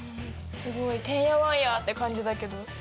すごいてんやわんやって感じだけど。